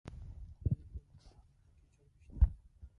ایا په موادو غایطه کې چربی شته؟